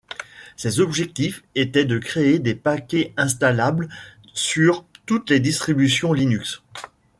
Ses objectifs étaient de créer des paquets installables sur toutes les distributions Linux.